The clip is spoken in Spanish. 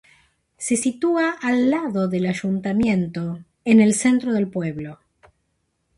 Se sitúa al lado del ayuntamiento, en el centro del pueblo.